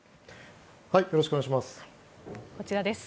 よろしくお願いします。